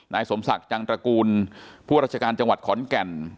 สมศักดิ์จังตระกูลผู้ราชการจังหวัดขอนแก่น